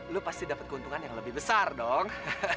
lu pasti dapat keuntungan yang lebih besar dong